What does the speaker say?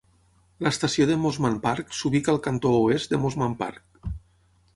L'estació de Mosman Park s'ubica al cantó oest de Mosman Park.